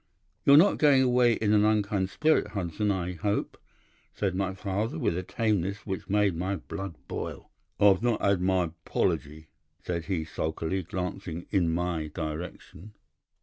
"'"You're not going away in an unkind spirit, Hudson, I hope," said my father, with a tameness which made my blood boil. "'"I've not had my 'pology," said he sulkily, glancing in my direction.